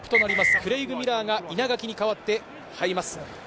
クレイグ・ミラーが稲垣に代わって入ります。